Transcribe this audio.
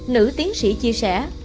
nữ tiến sĩ chia sẻ